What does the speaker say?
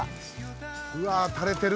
うわ垂れてる。